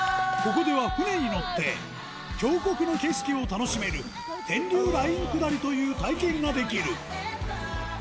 ここでは舟に乗って、峡谷の景色を楽しめる天竜ライン下りという体験ができる。